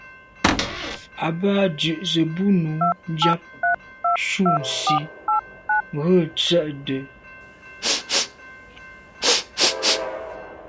À bə́ á dʉ̀’ zə̄ bú nǔ yáp cû nsî rə̂ tsə̂də̀.